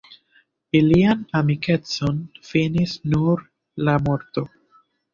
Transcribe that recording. Ilian amikecon finis nur la morto.